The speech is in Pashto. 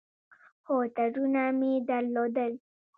خو ترونه مې درلودل.